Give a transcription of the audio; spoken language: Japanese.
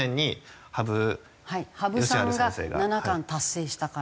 羽生さんが七冠達成したから。